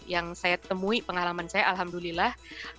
yang saya temui pengalaman saya alhamdulillah